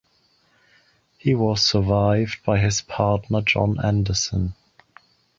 He was survived by his partner John Anderson.